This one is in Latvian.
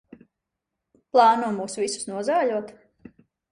Plāno mūs visus nozāļot?